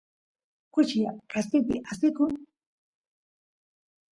kuchi kaspipi aspiykun